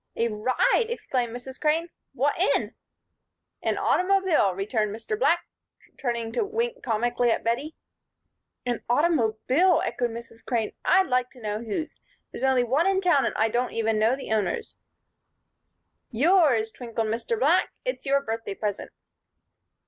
"A ride!" exclaimed Mrs. Crane. "What in?" "An automobile," returned Mr. Black, turning to wink comically at Bettie. "An automobile!" echoed Mrs. Crane. "I'd like to know whose. There's only one in town and I don't know the owners." "Yours," twinkled Mr. Black. "It's your birthday present."